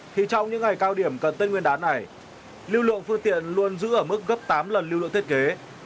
thì trong những ngày cao điểm cần tết nguyên đán này lưu lượng phương tiện luôn giữ ở mức gấp tám lần lưu lượng thiết kế